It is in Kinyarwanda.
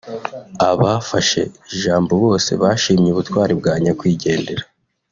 Abafashe ijambo bose bashimye ubutwari bwa nyakwigendera